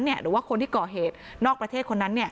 หรือว่าคนที่ก่อเหตุนอกประเทศคนนั้น